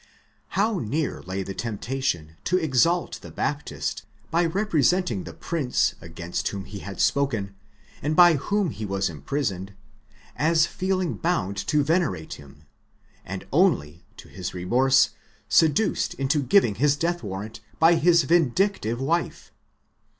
How near lay the temptation to exalt the Baptist, by representing the prince against whom he had spoken, and by whom he was imprisoned, as feeling bound to venerate him, and only, to his remorse, seduced into giving his death warrant, by his vindictive wife!